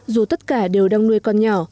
dù tất cả đều đang nuôi con nhỏ